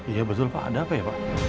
iya betul pak ada apa ya pak